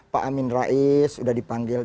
pak amin rais sudah dipanggil